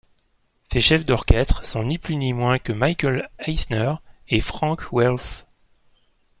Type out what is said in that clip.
Ses chefs d'orchestres sont ni plus ni moins que Michael Eisner et Frank Wells.